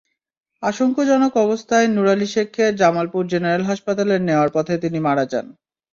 আশঙ্কাজনক অবস্থায় নুরালী শেখকে জামালপুর জেনারেল হাসপাতালে নেওয়ার পথে তিনি মারা যান।